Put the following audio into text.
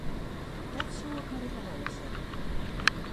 Dat soe ik mar út 'e holle sette.